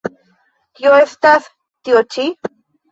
Kio estas tio-ĉi?